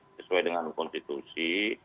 sesuai dengan konstitusi